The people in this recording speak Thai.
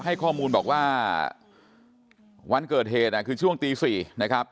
ให้ข้อมูลบอกว่าวันเกิดเหตุคือช่วงตี๔นะครับ